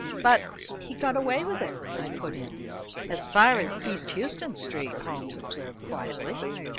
"But he's got away with it," I put in. "As far as East Houston Street," Holmes observed, quietly.